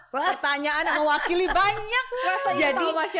pertanyaan yang mewakili banyak